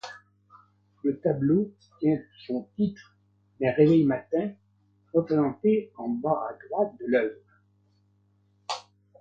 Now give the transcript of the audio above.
Le tableau tient son titre d'un réveil-matin représenté en bas à droite de l'œuvre.